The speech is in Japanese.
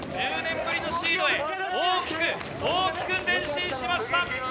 １０年ぶりのシードへ大きく大きく前進しました。